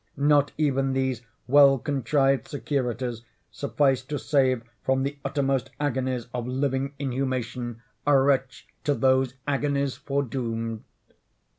Not even these well contrived securities sufficed to save from the uttermost agonies of living inhumation, a wretch to these agonies foredoomed!